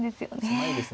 狭いですね。